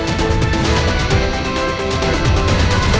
di umri siku unserer rumah dalamuk rakyat kekuatanras milliseries antar r colleagues